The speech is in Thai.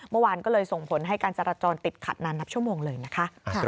เมื่อวานก็เลยส่งผลให้การจราจรติดขัดนานนับชั่วโมงเลยนะคะ